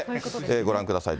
ご覧ください。